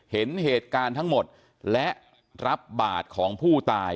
เห็นเหตุการณ์ทั้งหมดและรับบาทของผู้ตาย